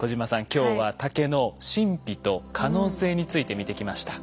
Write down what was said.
今日は竹の神秘と可能性について見てきました。